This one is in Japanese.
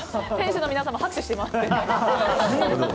店主の皆さんも拍手しています。